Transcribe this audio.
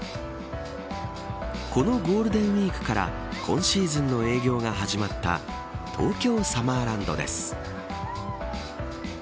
このゴールデンウイークから今シーズンの営業が始まった東京サマーランドです。